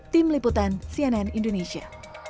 tim liputan cnn indonesia